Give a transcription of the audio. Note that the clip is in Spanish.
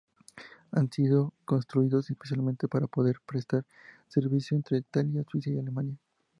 Han sido construidos especialmente para poder prestar servicio entre Italia, Suiza y Alemania.